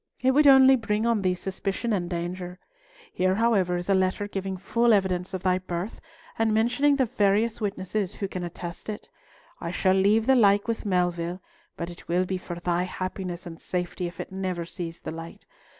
It would only bring on thee suspicion and danger. Here, however, is a letter giving full evidence of thy birth, and mentioning the various witnesses who can attest it. I shall leave the like with Melville, but it will be for thy happiness and safety if it never see the light.